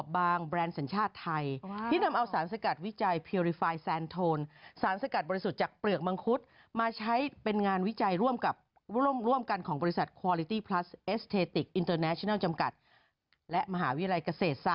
บางทีเราก็เล่นกันแล้วคนก็เลยเซีรียส